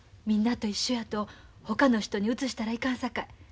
みんなと一緒やとほかの人にうつしたらいかんさかい。